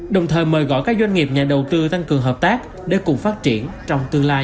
đồng thời mời gọi các doanh nghiệp nhà đầu tư tăng cường hợp tác để cùng phát triển trong tương lai